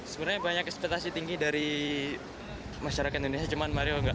sebenarnya banyak ekspetasi tinggi dari masyarakat indonesia cuma mario enggak